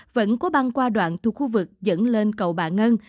vẫn cố băng qua đoạn thuộc khu vực dẫn lên cầu bà ngân